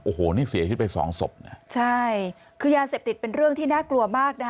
โอ้โหนี่เสียชิดไปสองศพคือยาเสพติดเป็นเรื่องที่น่ากลัวมาก